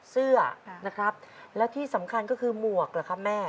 เสื้อนะครับแล้วที่สำคัญก็คือหมวกเหรอครับแม่